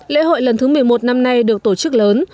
lễ hội lần thứ một mươi một năm nay được tổ chức lớn